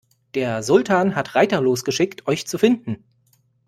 Der Sultan hat Reiter losgeschickt, euch zu finden.